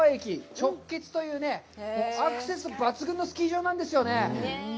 直結というアクセス抜群のスキー場なんですよね。